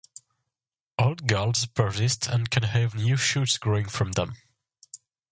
Old galls persist and can have new shoots growing from them.